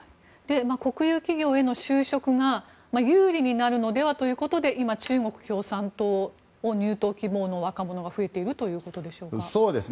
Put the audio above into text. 国有企業への就職が有利になるのではということで今、中国共産党に入党希望の若者が増えているということでしょうか。